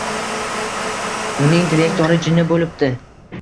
Uning direktori jinni bo’libdi.